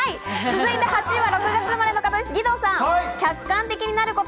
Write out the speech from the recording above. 続いて８位は６月生まれの方、義堂さん。